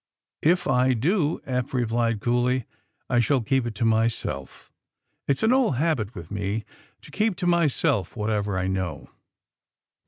'^If I do," Eph replied coolly, I shall keep it to myself. It's an old habit with me to keep to myself whatever I know."